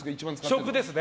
食ですね。